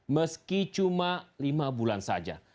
meski cuma lima bulan saja